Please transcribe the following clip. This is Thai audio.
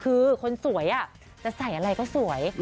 คือคนสวยจะใส่อะไรก็สวย